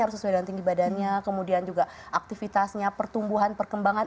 harus sesuai dengan tinggi badannya kemudian juga aktivitasnya pertumbuhan perkembangan